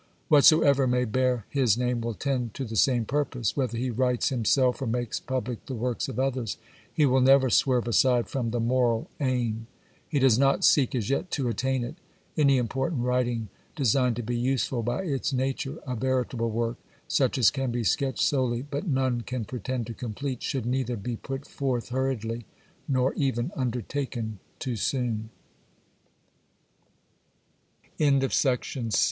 Whatsoever may bear his name will tend to the same purpose ; whether he writes himself or makes public the work of others, he will never swerve aside from the moral aim. He does not seek as yet to attain it ; any important writing, designed to be useful by its nature, a veritable work, such as can be sketched solely, but none can pretend to complete, should neithe